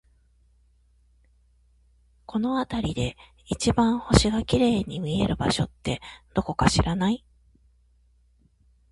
この辺りで一番星が綺麗に見える場所って、どこか知らない？